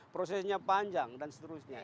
prosesnya panjang dan seterusnya